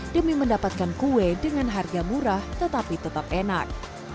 demi mendapatkan kue dengan harga murah tetapi tetap enak